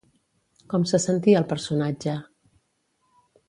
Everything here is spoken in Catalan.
Com se sentia el personatge?